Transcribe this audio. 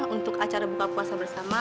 untuk acara buka puasa bersama